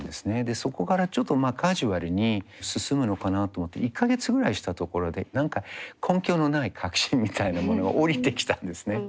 そこからちょっとカジュアルに進むのかなと思って１か月ぐらいしたところで何か根拠のない確信みたいなものがおりてきたんですね。